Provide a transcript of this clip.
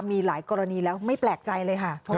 มีหลายกรณีแล้วไม่แปลกใจเลยค่ะ